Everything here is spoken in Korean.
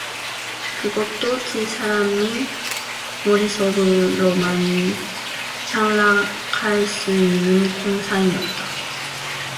그것도 두 사람이 머리 속으로만 향락할 수 있는 공상이었다.